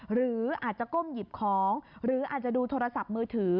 หรืออาจจะก้มหยิบของหรืออาจจะดูโทรศัพท์มือถือ